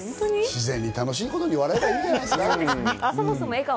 自然に楽しい事で笑えればいいんじゃないですか。